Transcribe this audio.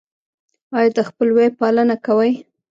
ایا د خپلوۍ پالنه کوئ؟